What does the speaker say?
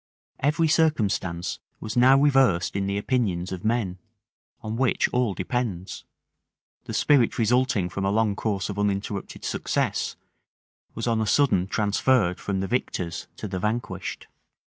Every circumstance was now reversed in the opinions of men, on which all depends: the spirit resulting from a long course of uninterrupted success, was on a sudden transferred from the victors to the vanquished.